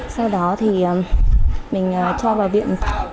sau đó thì mình cho vào viện